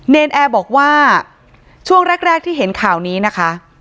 นแอร์บอกว่าช่วงแรกที่เห็นข่าวนี้นะคะ